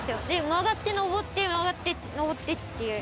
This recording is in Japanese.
曲がって上って曲がって上ってっていう。